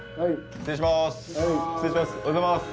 ・失礼します。